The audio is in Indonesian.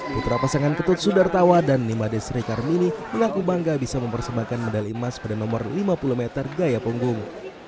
putra pasangan ketut sudartawa dan nimades rekarmini mengaku bangga bisa mempersembahkan medali emas pada nomor lima puluh meter gaya punggung